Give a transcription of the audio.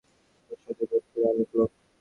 প্রাসাদে, বােধ করি অনেক লােক।